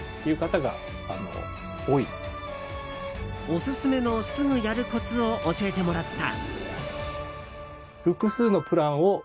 オススメのすぐやるコツを教えてもらった。